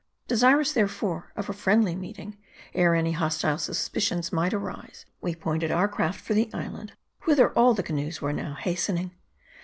Desirous, therefore, of a friendly meeting, ere any hostile suspicions might arise, we pointed our craft for the island, whither all the canoes were now hastening.